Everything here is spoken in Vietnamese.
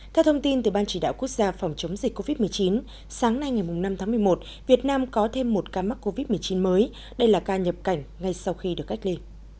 theo thông tin từ ban chỉ đạo quốc gia phòng chống dịch covid một mươi chín sáng nay ngày năm tháng một mươi một việt nam có thêm một ca mắc covid một mươi chín mới đây là ca nhập cảnh ngay sau khi được cách ly